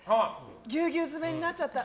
ぎゅうぎゅう詰めになっちゃった。